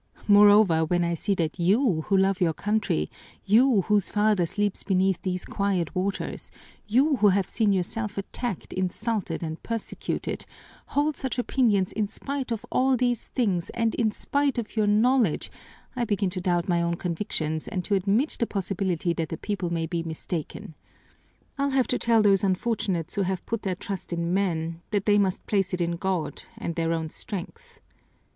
Moreover, when I see that you, who love your country, you, whose father sleeps beneath these quiet waters, you, who have seen yourself attacked, insulted, and persecuted, hold such opinions in spite of all these things, and in spite of your knowledge, I begin to doubt my own convictions and to admit the possibility that the people may be mistaken. I'll have to tell those unfortunates who have put their trust in men that they must place it in God and their own strength.